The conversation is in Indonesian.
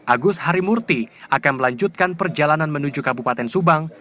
agus harimurti akan melanjutkan perjalanan menuju kabupaten subang